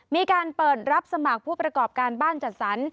มีการเปิดรับสมัครผู้ประกอบการบ้านจัดสรร